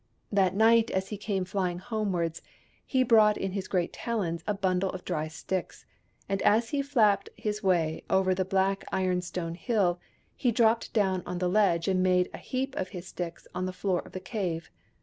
That night as he came flying homewards, he brought in his great talons a bundle of dry sticks, and as he flapped his way over the black iron stone hill, he dropped down on the ledge and made a heap of his sticks on the floor of the cave.